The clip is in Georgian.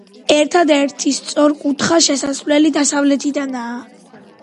ერთადერთი, სწორკუთხა შესასვლელი დასავლეთიდანაა.